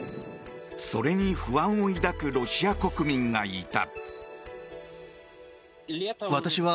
それに不安を抱くロシア国民がいた。